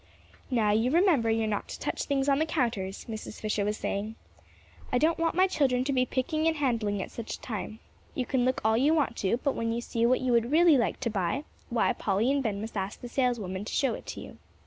"Now you remember you are not to touch things on the counters," Mrs. Fisher was saying. "I don't want my children to be picking and handling at such a time. You can look all you want to; but when you see what you would really like to buy, why, Polly and Ben must ask the saleswoman to show it to you."